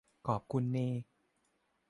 ขอบคุณเน